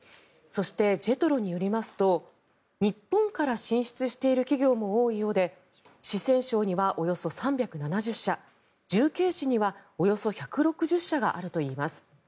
そして、ＪＥＴＲＯによりますと日本から進出している企業も多いようで四川省には、およそ３７０社重慶市には、およそ１６０社があるといいます。